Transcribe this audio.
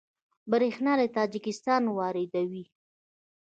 بریښنا له تاجکستان واردوي